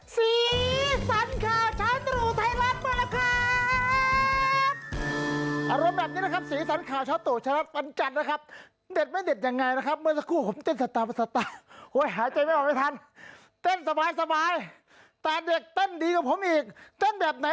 สีสันข่าวช้าตุ๋